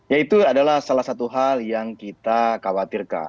ya itu adalah salah satu hal yang kita khawatirkan